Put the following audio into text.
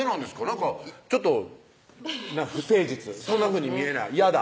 なんかちょっと不誠実そんなふうに見えない嫌だ